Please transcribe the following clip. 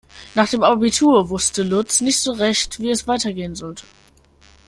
Nach dem Abitur wusste Lutz nicht so recht, wie es weitergehen sollte.